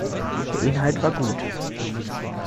Der Inhalt war gut.